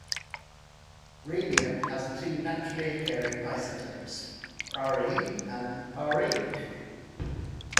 Rhenium has two naturally occurring isotopes, Re and Re.